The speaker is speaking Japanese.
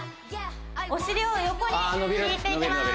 お尻を横に引いていきます